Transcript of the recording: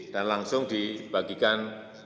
dan langsung dibagikan